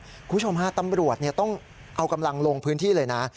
คุณผู้ชมฮะตำรวจต้องเอากำลังลงพื้นที่เลยนะ